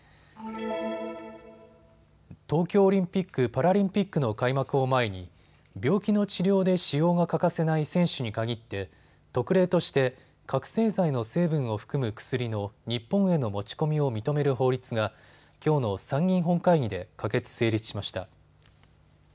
東京オリンピック・パラリンピックの開幕を前に病気の治療で使用が欠かせない選手に限って特例として覚醒剤の成分を含む薬の日本への持ち込みを認める法律がきょうの参議院本会議で可決・成立しました。